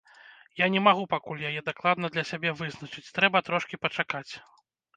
Я не магу пакуль яе дакладна для сябе вызначыць, трэба трошкі пачакаць.